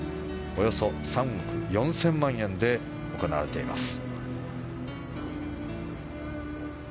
およそ３億４０００万円で行われています。